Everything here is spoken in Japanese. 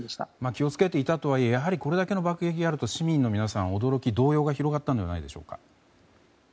気を付けていたとはいえこれだけの攻撃があると市民の皆さんは驚き、動揺が広がったんじゃないでしょうか。